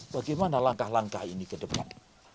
bagaimana langkah langkah ini ke depan